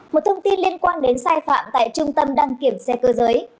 một thông tin liên quan đến sai phạm tại trung tâm đăng kiểm xe cơ giới